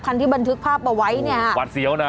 ที่บันทึกภาพเอาไว้เนี่ยหวัดเสียวนะ